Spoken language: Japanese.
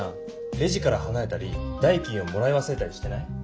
レジからはなれたり代金をもらいわすれたりしてない？